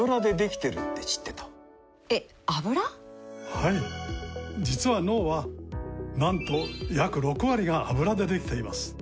はい実は脳はなんと約６割がアブラでできています